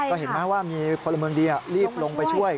ก็เห็นไหมว่ามีพลเมืองดีรีบลงไปช่วย